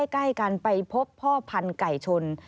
ใกล้กันไปพบพ่อพันธุ์ไก่ชน